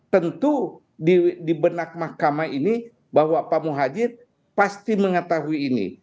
tentu di benak mahkamah ini bahwa pak muhajir pasti mengetahui ini